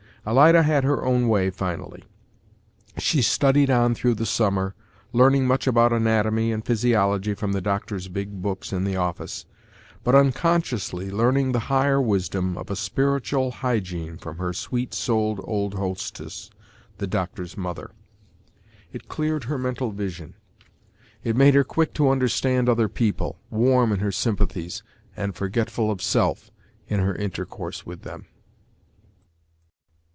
Alida had her own way finally. She studied on through the summer, learning much about anatomy and physiology from the doctor's big books in the office, but unconsciously learning the higher wisdom of a spiritual hygiene from her sweet souled old hostess, the doctor's mother. It cleared her mental vision. It made her quick to understand other people, warm in her sympathies, and forgetful of self in her intercourse with them.